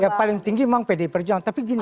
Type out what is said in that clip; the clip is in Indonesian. ya paling tinggi memang pdi perjuangan